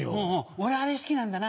俺あれ好きなんだな。